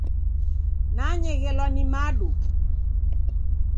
Nanyeghelwa ni madu.